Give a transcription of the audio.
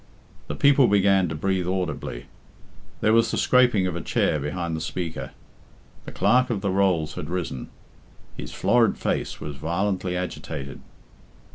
The people began to breathe audibly. There was the scraping of a chair behind the speaker. The Clerk of the Rolls had risen. His florid face was violently agitated.